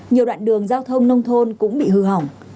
nhiều đoạn đường giao thông nông thôn cũng bị hư hỏng